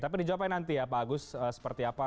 tapi dijawabkan nanti ya pak agus seperti apa